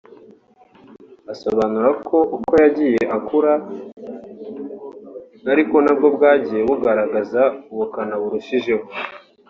Asobanura ko uko yagiye akura ari ko na bwo bwagiye bugaragaza ubukana burushijeho